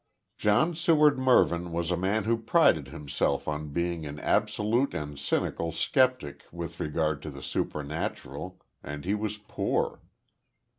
John Seward Mervyn was a man who prided himself on being an absolute and cynical sceptic with regard to the supernatural, and he was poor.